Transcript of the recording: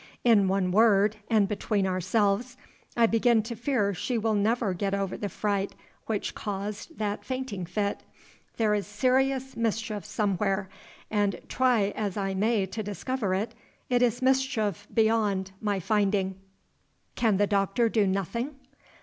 In one word (and between ourselves), I begin to fear she will never get over the fright which caused that fainting fit. There is serious mischief somewhere; and, try as I may to discover it, it is mischief beyond my finding." "Can the doctor do nothing?"